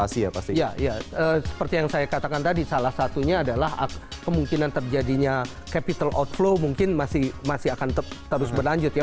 selalu mungkin terjadinya capital outflow mungkin masih akan terus berlanjut ya